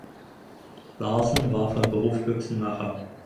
Larsen war von Beruf Büchsenmacher.